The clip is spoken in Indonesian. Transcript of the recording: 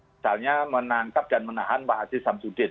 misalnya menangkap dan menahan pak haji samsudin